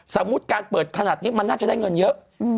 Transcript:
สมมุติการเปิดขนาดนี้มันน่าจะได้เงินเยอะ